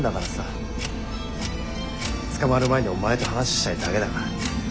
捕まる前にお前と話したいだけだから。